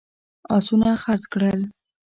آسونه خرڅ کړل.